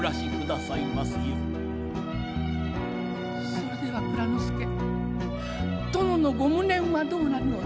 「それでは内蔵助殿のご無念はどうなるのです。